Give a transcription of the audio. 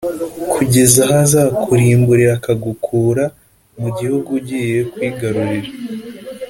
kugeza aho azakurimburira akagukura mu gihugu ugiye kwigarurira.